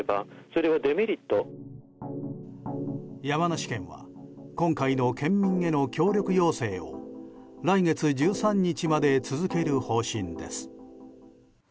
山梨県は今回の県民への協力要請を来月１３日まで続ける方針です。